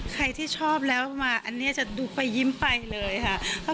ใครที่ชอบแล้วมาอันนี้จะดูไปยิ้มไปเลยค่ะ